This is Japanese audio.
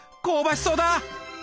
香ばしそうだ。